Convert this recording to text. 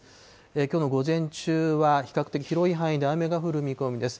きょうの午前中は比較的、広い範囲で雨が降る見込みです。